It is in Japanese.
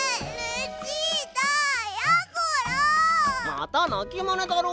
またなきまねだろ？